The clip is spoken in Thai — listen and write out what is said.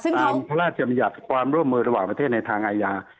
พระราชบัญญัติความร่วมมือระหว่างประเทศในทางอาญา